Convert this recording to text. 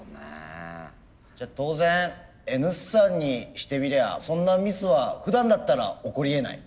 じゃあ当然Ｎ産にしてみりゃそんなミスはふだんだったら起こりえない。